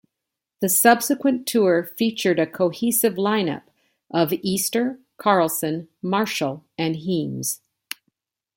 The subsequent tour featured a cohesive lineup of Easter, Carlson, Marshall and Heames.